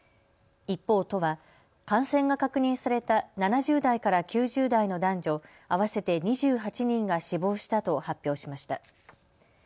一方、都は感染が確認された７０代から９０代の男女合わせて２８人が死亡したと発表しました。